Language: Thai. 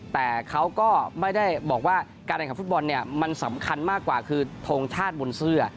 แต่เขาก็ไม่ได้บอกว่าการแข่งขันฟุตบอลเนี่ยมันสำคัญมากกว่าคือทงชาติบนเสื้อ